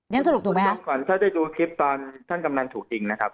ยังสรุปถูกไหมคะคุณผู้ชมข่อนถ้าได้ดูคลิปตอนท่านกำลังถูกจริงนะครับ